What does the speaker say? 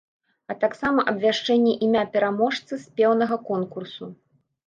А таксама абвяшчэнне імя пераможцы спеўнага конкурсу.